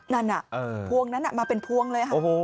นั่นพวงนั่นน่ะมาเป็นพวงเลยค่ะ